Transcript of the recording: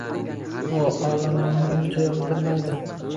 U olomonni uncha yoqtirmaydi.